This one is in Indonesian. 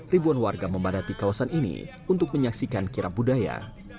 ribuan warga membadati kawasan ini untuk menyaksikan kirap budaya